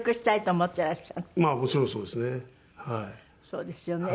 そうですよね。